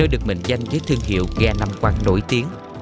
nơi được mệnh danh với thương hiệu ghe nam quang nổi tiếng